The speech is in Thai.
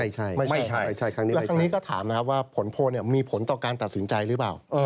ใช่ครั้งนี้แล้วทั้งนี้ก็ถามนะครับว่าผลโพลมีผลต่อการตัดสินใจหรือเปล่า